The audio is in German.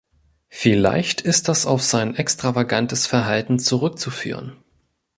Vielleicht ist das auf sein extravagantes Verhalten zurückzuführen.